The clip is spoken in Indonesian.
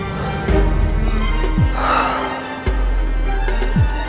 jangan terlalu sakit saat itu